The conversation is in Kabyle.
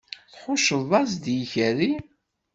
Tḥucceḍ-as-d i ikerri?